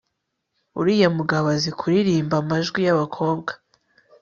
uriya mugabo azi kuririmba amajwi yabakobwa